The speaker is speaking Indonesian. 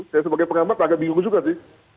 saya sebagai pengamat agak bingung juga sih